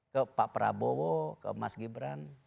ke pak prabowo ke mas gibran